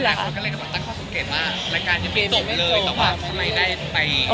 รายการยังไม่จบเลยแต่ว่าทำไมได้ไป